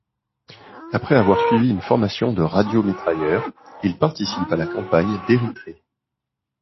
Après avoir suivi une formation de radio-mitrailleur, il participe à la campagne d'Érythrée.